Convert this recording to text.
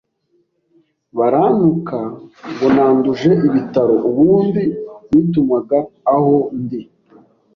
barantuka ngo nanduje ibitaro, ubundi nitumaga aho ndi